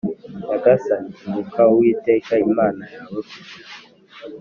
nyagasani ibuka Uwiteka Imana yawe kugira ngo